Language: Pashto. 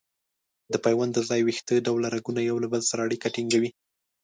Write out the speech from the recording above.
د پیوند د ځای ویښته ډوله رګونه یو له بل سره اړیکه ټینګوي.